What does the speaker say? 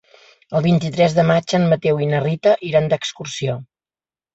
El vint-i-tres de maig en Mateu i na Rita iran d'excursió.